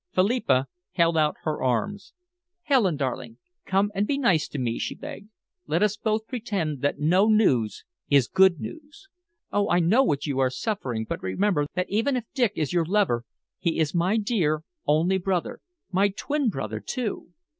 Philippa held out her arms. "Helen, darling, come and be nice to me," she begged. "Let us both pretend that no news is good news. Oh, I know what you are suffering, but remember that even if Dick is your lover, he is my dear, only brother my twin brother, too.